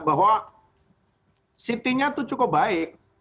bahwa city nya itu cukup baik